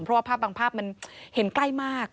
เพราะว่าภาพบางภาพมันเห็นใกล้มาก